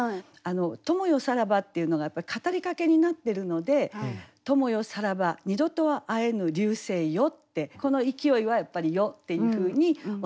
「友よさらば」っていうのがやっぱり語りかけになってるので「友よさらば二度とは会えぬ流星よ」ってこの勢いはやっぱり「よ」っていうふうに収めたほうがいいかと思いますね。